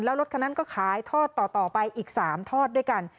แล้วรถคันนั้นก็ขายทอดต่อไปอีก๓ทอดด้วยกัน